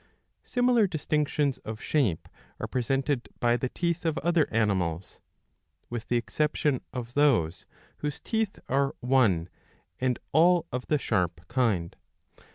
^ Similar distinctions of shape are presented by the teeth of other animals, with the exception of those whose teeth are one and all of the sharp kind.